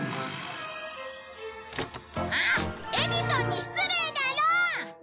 ああっエジソンに失礼だろ！